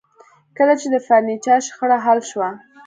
کله چې د فرنیچر شخړه حل شوه